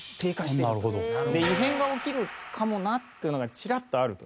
異変が起きるかもなっていうのがチラッとあると。